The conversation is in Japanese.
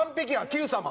『Ｑさま！！』。